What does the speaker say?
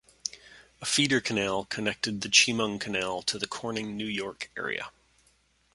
A feeder canal connected the Chemung Canal to the Corning, New York area.